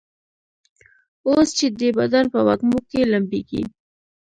اوس چي دي بدن په وږمو کي لمبیږي